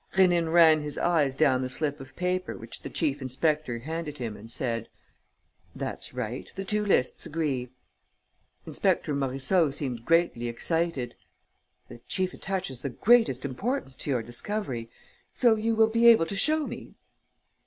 Rénine ran his eyes down the slip of paper which the chief inspector handed him and said: "That's right. The two lists agree." Inspector Morisseau seemed greatly excited: "The chief attaches the greatest importance to your discovery. So you will be able to show me?..."